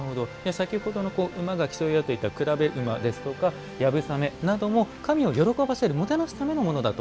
先ほどの馬が競い合っていた競馬ですとか、流鏑馬なども神を喜ばせるもてなすためのものだと。